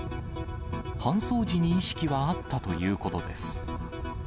搬送時に意識はあったということです。